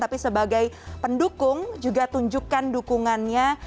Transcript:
tapi sebagai pendukung juga tunjukkan dukungannya